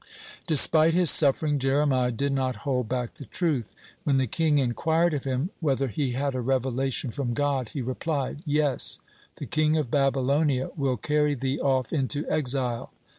Despite his suffering, Jeremiah did not hold back the truth. When the king inquired of him, whether he had a revelation from God, he replied: "Yes, the king of Babylonia will carry thee off into exile."